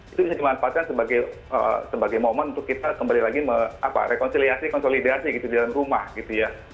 itu bisa dimanfaatkan sebagai momen untuk kita kembali lagi rekonsiliasi konsolidasi gitu di dalam rumah gitu ya